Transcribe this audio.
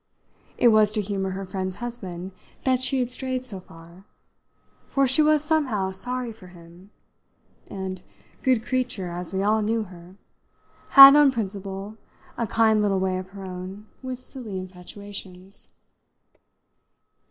It was to humour her friend's husband that she had strayed so far, for she was somehow sorry for him, and good creature as we all knew her had, on principle, a kind little way of her own with silly infatuations.